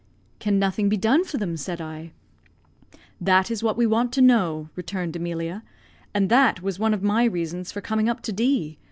"Can nothing be done for them?" said I. "That is what we want to know," returned Emilia, "and that was one of my reasons for coming up to D